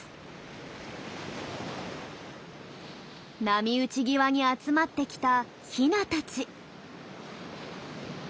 波打ち際に集まってきたヒナたち。